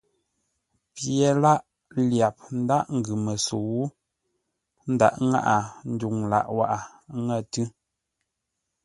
Pye lâʼ lyap ńdághʼ ńgʉ məsəu, ə́ ndaghʼ ŋáʼa ndwuŋ lâʼ wághʼə ńŋə̂ tʉ́.